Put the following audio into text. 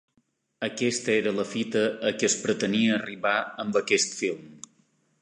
Aquesta era la fita a què es pretenia arribar amb aquest film.